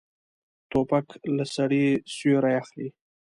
توپک له سړي سیوری اخلي.